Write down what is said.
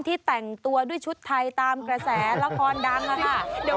แต่งตัวด้วยชุดไทยตามกระแสละครดังค่ะ